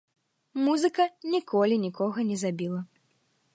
Музыка ніколі нікога не забіла.